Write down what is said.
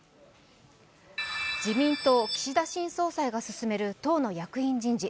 自民党・岸田新総裁が進める党の役員人事。